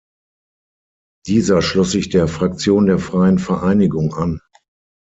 Dieser schloss sich der Fraktion der Freien Vereinigung an.